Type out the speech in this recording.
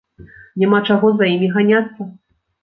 Няма чаго за імі ганяцца.